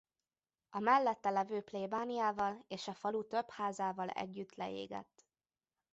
A mellette levő plébániával és a falu több házával együtt leégett.